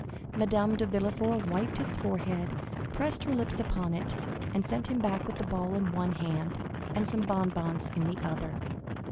Madame de Villefort wiped his forehead, pressed her lips upon it, and sent him back with the ball in one hand and some bonbons in the other.